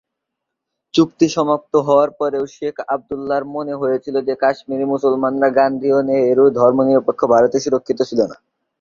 চুক্তি সমাপ্ত হওয়ার পরেও শেখ আবদুল্লাহর মনে হয়েছিল যে কাশ্মীরি মুসলমানরা "গান্ধী ও নেহেরুর ধর্মনিরপেক্ষ ভারতে সুরক্ষিত ছিল না"।